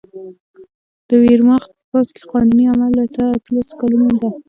د ویرماخت په پوځ کې قانوني عمر له اتلسو کلونو و